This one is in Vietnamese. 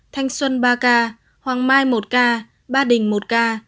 thanh xuân ba ca hoàng mai một ca ba đình một ca